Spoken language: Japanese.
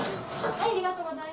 ありがとうございます。